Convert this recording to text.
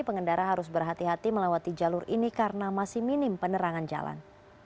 pengendara harus berhati hati melewati jalur ini karena masih minim penerangan jalan